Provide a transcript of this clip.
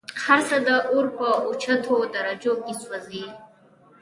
هرڅه د اور په اوچتو درجو كي سوزي